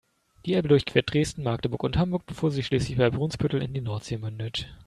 Die Elbe durchquert Dresden, Magdeburg und Hamburg, bevor sie schließlich bei Brunsbüttel in die Nordsee mündet.